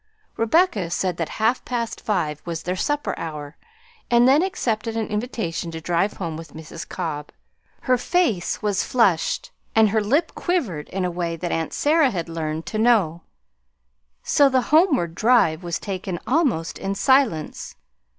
Rebecca said that half past five was their supper hour, and then accepted an invitation to drive home with Mrs. Cobb. Her face was flushed and her lip quivered in a way that aunt Sarah had learned to know, so the homeward drive was taken almost in silence.